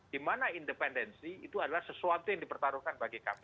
di mana independensi itu adalah sesuatu yang dipertaruhkan